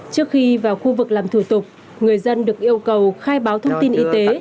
trước khi vào khu vực làm thủ tục người dân được yêu cầu khai báo thông tin y tế